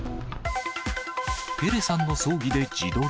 ペレさんの葬儀で自撮り。